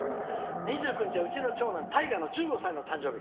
「２９日は、うちの長男たいがの１５歳の誕生日。